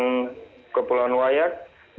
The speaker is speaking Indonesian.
di kepulauan wayak